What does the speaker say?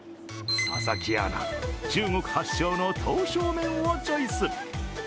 佐々木アナ、中国発祥の刀削麺をチョイス。